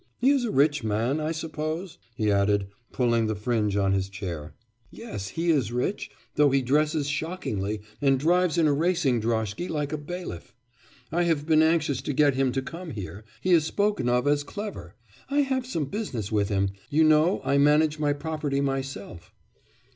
He is a rich man, I suppose?' he added, pulling the fringe on his chair. 'Yes, he is rich, though he dresses shockingly, and drives in a racing droshky like a bailiff. I have been anxious to get him to come here; he is spoken of as clever; I have some business with him.... You know I manage my property myself.